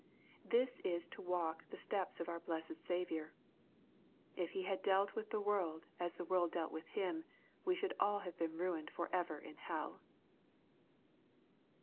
This is to walk in the steps of our blessed Saviour. If He had dealt with the world as the world dealt with Him, we should all have been ruined forever in hell.